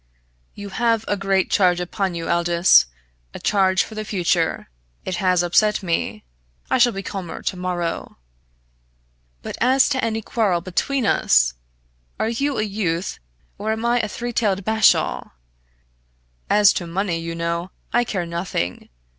"You have a great charge upon you, Aldous a charge for the future. It has upset me I shall be calmer to morrow. But as to any quarrel between us! Are you a youth, or am I a three tailed bashaw? As to money, you know, I care nothing.